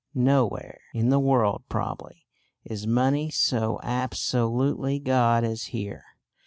Nowhere in the world probably is money so absolutely God as here.